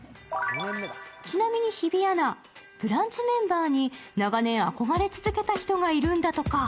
ちなみに日比アナ、ブランチメンバーに長年憧れ続けた人がいるんだとか。